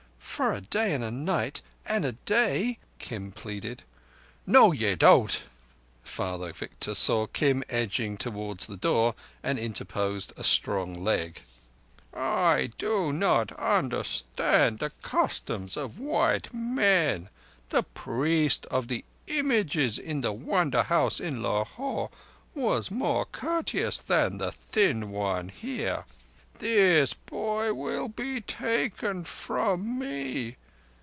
"For a day and a night and a day," Kim pleaded. "No, ye don't!" Father Victor saw Kim edging towards the door, and interposed a strong leg. "I do not understand the customs of white men. The Priest of the Images in the Wonder House in Lahore was more courteous than the thin one here. This boy will be taken from me.